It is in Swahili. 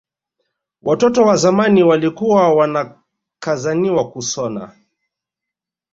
Watoto wa zamani walikuwa wanakazaniwa kusona